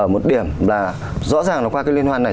một điểm là rõ ràng là qua cái liên hoan này